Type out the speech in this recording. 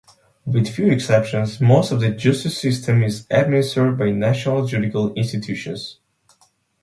With few exceptions, most of the justice system is administered by national judicial institutions.